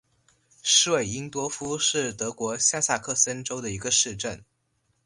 施韦因多夫是德国下萨克森州的一个市镇。